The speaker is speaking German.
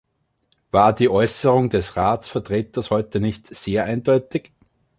War die Äußerung des Ratsvertreters heute nicht sehr eindeutig?